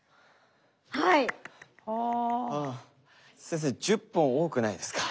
先生１０本多くないですか？